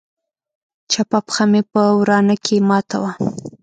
چپه پښه مې په ورانه کښې ماته وه.